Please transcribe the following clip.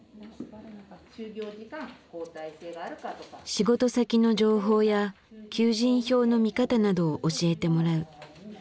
仕事先の情報や求人票の見方などを教えてもらう。